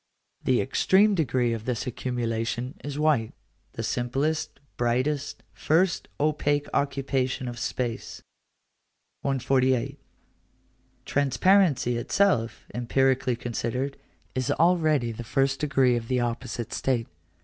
The extreme degree of this accumulation is white; the simplest, brightest, first, opaque occupation of space. 148. Transparency itself, empirically considered, is already the first degree of the opposite state.